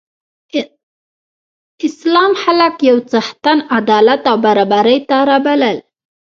اسلام خلک یو څښتن، عدالت او برابرۍ ته رابلل.